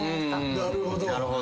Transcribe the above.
なるほど。